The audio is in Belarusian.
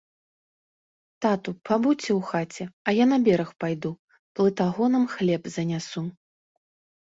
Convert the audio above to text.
Тату, пабудзьце у хаце, а я на бераг пайду, плытагонам хлеб занясу.